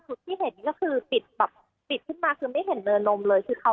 สุทธิ์ที่เห็นักภูมิจริกมาก็ไม่เห็นมือนมเลยคือเขา